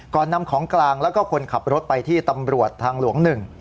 ก่อนนำของกลางแล้วก็คนขับรถไปที่ตำรวจทางหลวงหนึ่ง